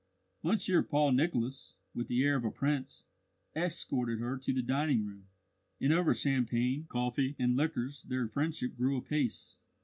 Monsieur Paul Nicholas, with the air of a prince, escorted her to the dining room; and over champagne, coffee, and liqueurs their friendship grew apace.